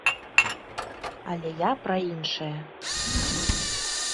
Але я пра іншае.